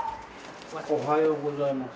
おはようございます。